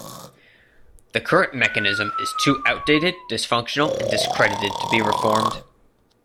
The current mechanism is too outdated, dysfunctional, and discredited to be reformed.